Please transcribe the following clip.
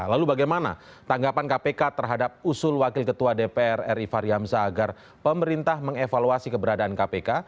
lalu bagaimana tanggapan kpk terhadap usul wakil ketua dpr ri fahri hamzah agar pemerintah mengevaluasi keberadaan kpk